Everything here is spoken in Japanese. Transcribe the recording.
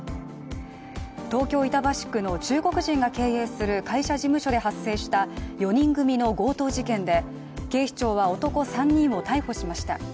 東京・板橋区の中国人が経営する会社事務所で発生した４人組の強盗事件で、警視庁は男３人を逮捕しました。